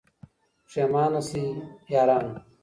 پښېمانه سئ یارانو